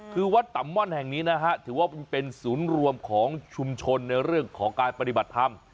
คือวัดต่ำม่อนแห่งนี้นะฮะถือว่าเป็นศูนย์รวมของชุมชนในเรื่องของการปฏิบัติธรรม